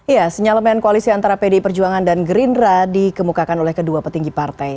ya senyalemen koalisi antara pdi perjuangan dan gerindra dikemukakan oleh kedua petinggi partai